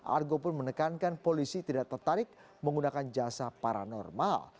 argo pun menekankan polisi tidak tertarik menggunakan jasa paranormal